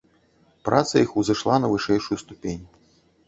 Праца іх узышла на вышэйшую ступень.